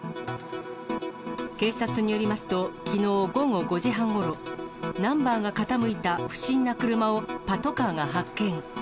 警察によりますと、きのう午後５時半ごろ、ナンバーが傾いた不審な車をパトカーが発見。